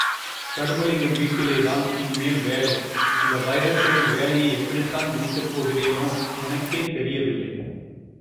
தருமலிங்கம் வீட்டிலேதான் இனிமேல் வேலை, அந்த வைரத்தோடு வேலையை எப்படித்தான் முடிக்கப் போகிறேனோ, எனக்கே தெரியவில்லை!